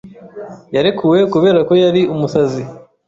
Yarekuwe kubera ko yari umusazi.